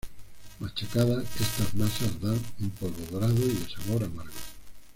Machacadas estas masas dan un polvo dorado y de sabor amargo.